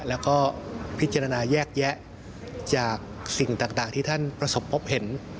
แล้วก็พิจารณาแยกแยะจากสิ่งต่างที่ท่านประสบพบเห็น